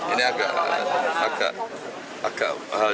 ini agak hal yang